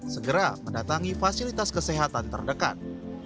segera mendatangi fasilitas kesehatan terdekat